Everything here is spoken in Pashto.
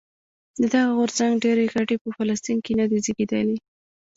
د دغه غورځنګ ډېری غړي په فلسطین کې نه دي زېږېدلي.